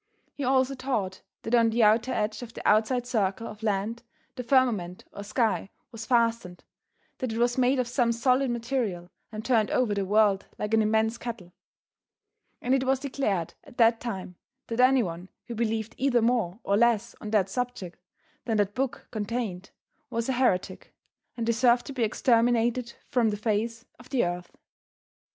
He also taught that on the outer edge of the outside circle of land the firmament or sky was fastened, that it was made of some solid material and turned over the world like an immense kettle. And it was declared at that time that anyone who believed either more or less on that subject than that book contained was a heretic and deserved to be exterminated from the face of the earth.